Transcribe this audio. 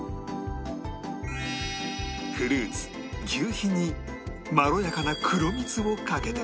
フルーツ求肥にまろやかな黒蜜をかけて